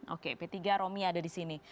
oke p tiga romi ada di sini